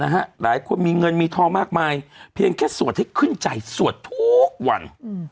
หลายคนมีเงินมีทองมากมายเพียงแค่สวดให้ขึ้นใจสวดทุกวัน